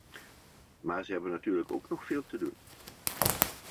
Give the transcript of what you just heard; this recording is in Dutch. Maar zij hebben natuurlijk ook nog veel te doen.